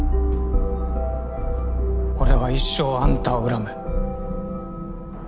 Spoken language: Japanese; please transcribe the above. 俺は一生あんたを恨む。